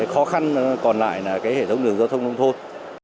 khó khăn còn lại là cái hệ thống đường giao thông đông thôn